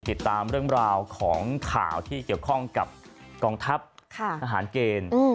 ติดตามเรื่องราวของข่าวที่เกี่ยวข้องกับกองทัพทหารเกณฑ์